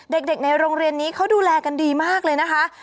เด็กในโรงเรียนนี้เขาดูแลกันดีมากเลยนะคะ